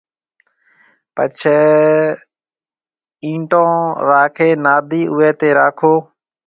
پڇيَ ايِنٽون راکيَ نادَي اوئيَ تيَ راکو